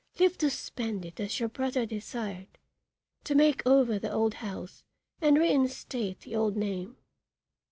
Live to spend it as your brother desired, to make over the old house and reinstate the old name.